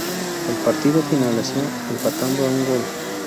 El partido finalizó empatado a un gol.